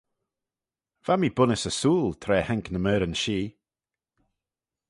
Va mee bunnys ersooyl tra haink ny meoiryn-shee.